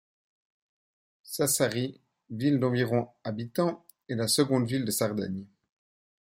Sassari, ville d’environ habitants, est la seconde ville de Sardaigne.